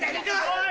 おい！